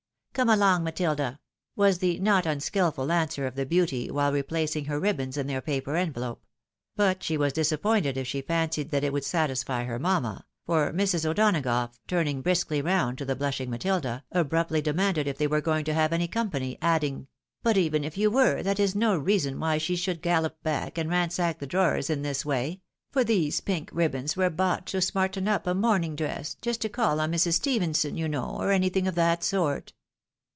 Come along, Matilda —" was the not unskilful answer of the beauty, while replacing her ribbons in their paper envelope ; but she was disappointed if she fancied that it would 238 THE WIDOW MAKEIEl , satisfy her mamma, for Mrs. O'Donagough, turning briskly round to the blushing Matilda, abruptly demanded if they were going to have any company, adding, " But even if you were, that is no reason why she should gallop back, and ransack the drawers in this way — for these pink ribbons were bought to smarten up a morning dress, just to call on Mrs. Stephenson, you know, or anything of that sort."